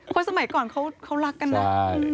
สมัยก่อนเขารักกันนะ